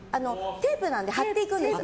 テープなので貼っていくんです。